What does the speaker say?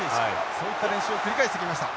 そういった練習を繰り返してきました。